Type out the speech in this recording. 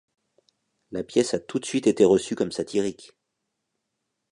La pièce a tout de suite été reçue comme satirique.